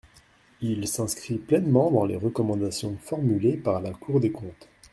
Il s’inscrit pleinement dans les recommandations formulées par la Cour des comptes.